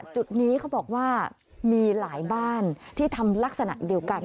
จุดนี้เขาบอกว่ามีหลายบ้านที่ทำลักษณะเดียวกัน